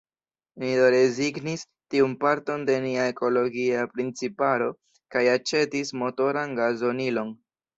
Ni do rezignis tiun parton de nia ekologia principaro kaj aĉetis motoran gazonilon.